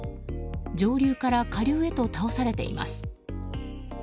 上流から下流へと倒されています。